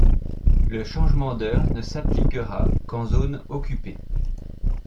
Le changement d’heure ne s’appliquera qu’en zone occupée.